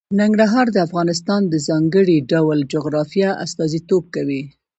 ننګرهار د افغانستان د ځانګړي ډول جغرافیه استازیتوب کوي.